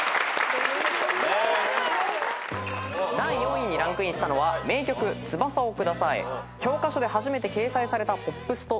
第４位にランクインしたのは名曲『翼をください』教科書で初めて掲載されたポップスといわれています。